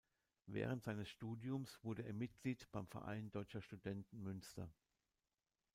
Während seines Studiums wurde er Mitglied beim "Verein Deutscher Studenten Münster".